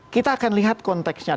kita akan lihat konteksnya